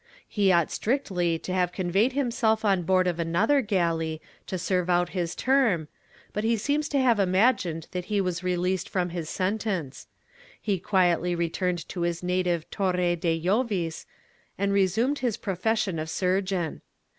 He ought strictly to have conveyed himself on board of another galley to serve out his term, but he seems to have imagined that he was released from his sentence; he quietly returned to his native Torre de Llovis and resumed his profession of surgeon.